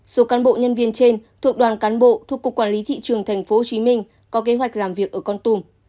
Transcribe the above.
số cán bộ nhân viên trên thuộc đoàn cán bộ thuộc cục quản lý thị trường tp hcm có kế hoạch làm việc ở con tùm